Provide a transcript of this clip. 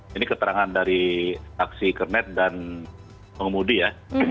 ini keterangan dari saksi kernet dan pengemudi ya